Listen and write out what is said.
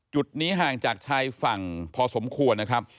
จุดนี้ห่างจากชายฝั่งพอสมควรนะครับ